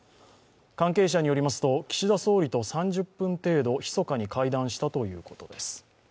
関係者によりますと岸田総理と３０分程度ひそかに会談したということです。